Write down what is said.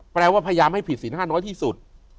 แปลว่าพยายามให้ผิดศีล๕น้อยที่สุด